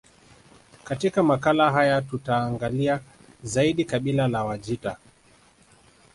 Katika makala haya tutaangalia zaidi kabila la Wajita